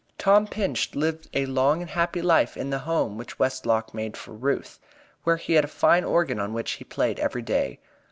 Tom Pinch lived a long and happy life in the home which Westlock made for Ruth, where he had a fine organ on which he played every day.